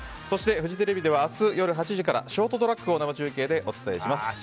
そして、フジテレビでは明日夜８時からショートトラックを生中継でお伝えします。